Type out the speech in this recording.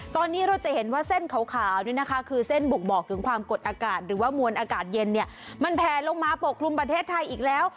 ตอนนี้เราจะเห็นว่าเส้นขาวนี่นะคะคือเส้นบุกบอกถึงความกดอากาศหรือว่ามวลอากาศเย็นเนี่ยมันแพลลงมาปกคลุมประเทศไทยอีกแล้ว